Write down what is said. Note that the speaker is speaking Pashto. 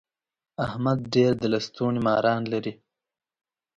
احمد ډېر د لستوڼي ماران لري.